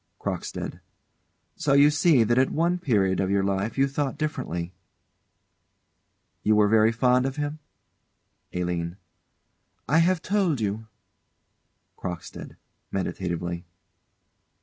CROCKSTEAD. So you see that at one period of your life you thought differently. You were very fond of him? ALINE. I have told you. CROCKSTEAD. [_Meditatively.